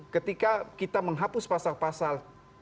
ketika kita menghapus pasal pasal